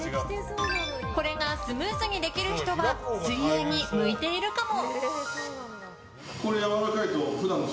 これがスムーズにできる人は水泳に向いているかも。